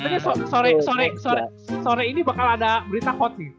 artinya sore ini bakal ada berita hot nih